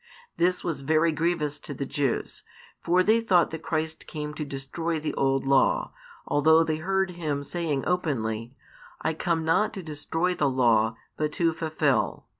This was very grievous to the Jews, for they thought that Christ came to destroy the old Law, although they heard Him saying openly, I come not to destroy the Law, but to fulfil.